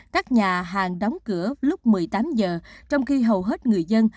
các nhà hàng đóng cửa lúc một mươi tám giờ trong khi hầu hết người dân